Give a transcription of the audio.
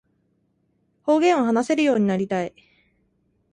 方言を話せるようになりたい